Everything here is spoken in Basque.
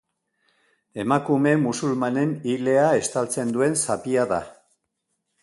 Emakume musulmanen ilea estaltzen duen zapia da.